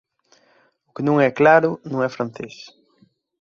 O que non é claro non é francés.